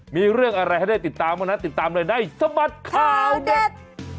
มีเรื่องอะไรให้ได้ติดตามก็ติดตามเลยในสมัครข่าวเด็ด